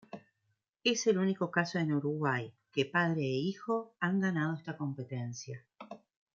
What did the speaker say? Es el único caso en Uruguay, que padre e hijo han ganado esta competencia.